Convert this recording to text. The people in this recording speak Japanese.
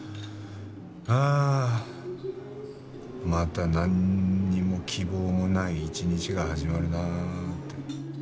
ああまたなんにも希望もない一日が始まるなあって。